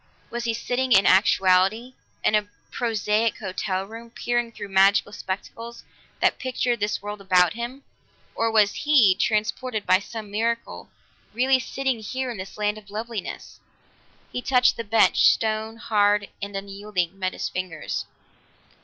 Was he sitting, in actuality, in a prosaic hotel room, peering through magic spectacles that pictured this world about him, or was he, transported by some miracle, really sitting here in this land of loveliness? He touched the bench; stone, hard and unyielding, met his fingers.